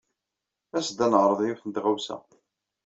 As-d ad neɛreḍ yiwet n tɣawsa.